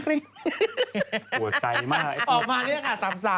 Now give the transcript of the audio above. ตัวใจมากไอ้พี่ออกมาเลขค่ะ๓๓